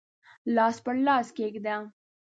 لاس پر لاس کښېږده